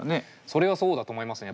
それはそうだと思いますね。